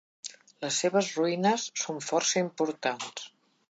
Les seves ruïnes són força importants.